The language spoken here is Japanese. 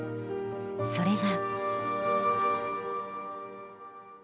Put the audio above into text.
それが。